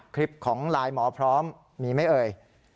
คลิปของไลน์หมอพร้อมมีไหมเอ่ย